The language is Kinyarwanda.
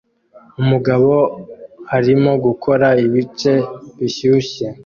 Umugabo arimo gukora ibice bishyushye